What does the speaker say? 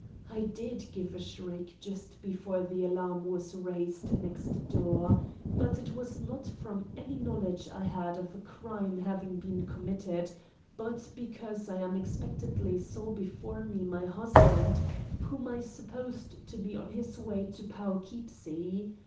I did give a shriek just before the alarm was raised next door; but it was not from any knowledge I had of a crime having been committed, but because I unexpectedly saw before me my husband whom I supposed to be on his way to Poughkeepsie.